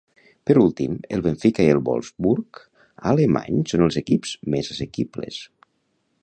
Per últim, el Benfica i el Wolfsburg alemany són els equips més assequibles.